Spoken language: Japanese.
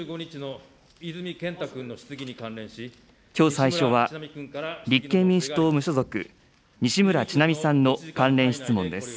きょう最初は、立憲民主党・無所属、西村智奈美さんの関連質問です。